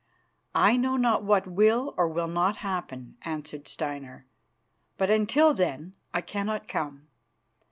"I know not what will or will not happen," answered Steinar, "but until then I cannot come.